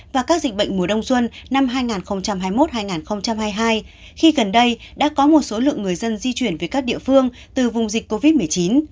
và các dịch bệnh mùa đông xuân năm hai nghìn hai mươi một hai nghìn hai mươi hai khi gần đây đã có một số lượng người dân di chuyển về các địa phương từ vùng dịch covid một mươi chín